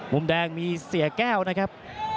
มุมแดงมีเสียแก้วนะครับ